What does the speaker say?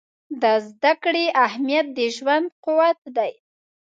د زده کړې اهمیت د ژوند قوت دی.